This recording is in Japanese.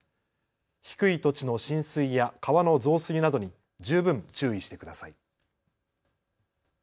低い土地の浸水や川の増水などに十分注意してください。